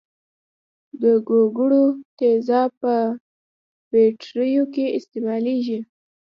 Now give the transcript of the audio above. د ګوګړو تیزاب په بټریو کې استعمالیږي.